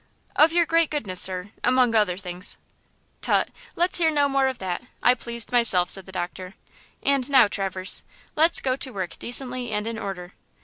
"Of your great goodness, sir, among other things." "Tut! let's hear no more of that. I pleased myself," said the doctor; "and now, Traverse, let's go to work decently and in order.